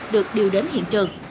được điều đến hiện trường